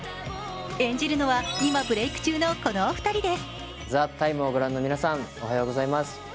演じるのは今ブレーク中のこのお二人です。